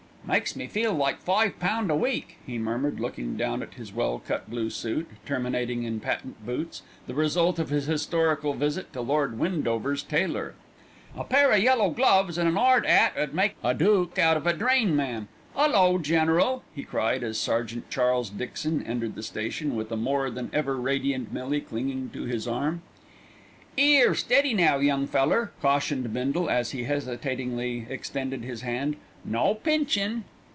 "Makes me feel like five pound a week," he murmured, looking down at his well cut blue suit, terminating in patent boots, the result of his historical visit to Lord Windover's tailor. "A pair o' yellow gloves and an 'ard 'at 'ud make a dook out of a drain man. Ullo, general!" he cried as Sergeant Charles Dixon entered the station with a more than ever radiant Millie clinging to his arm. "'Ere, steady now, young feller," cautioned Bindle as he hesitatingly extended his hand. "No pinchin'!"